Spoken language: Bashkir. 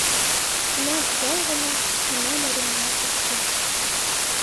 Шунан яй ғына кәмә моронона күсте.